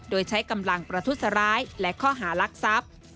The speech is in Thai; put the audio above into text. โดยใช้กำลังประทุษร้ายและข้อหารักทรัพย์